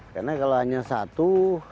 karena kalau hanya satu